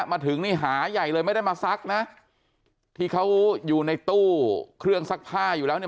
มาถึงนี่หาใหญ่เลยไม่ได้มาซักนะที่เขาอยู่ในตู้เครื่องซักผ้าอยู่แล้วเนี่ย